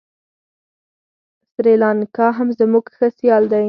سریلانکا هم زموږ ښه سیال دی.